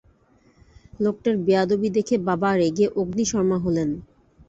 লােকটার বেয়াদবি দেখে বাবা রেগে অগ্নিশর্মা হলেন।